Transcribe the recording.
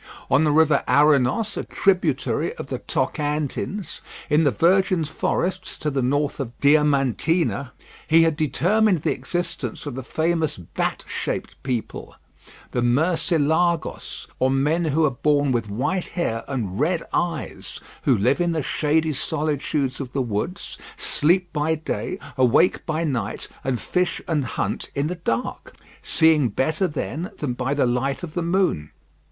On the river Arinos, a tributary of the Tocantins, in the virgin forests to the north of Diamantina, he had determined the existence of the famous bat shaped people, the Murcilagos, or men who are born with white hair and red eyes, who live in the shady solitudes of the woods, sleep by day, awake by night, and fish and hunt in the dark, seeing better then than by the light of the moon.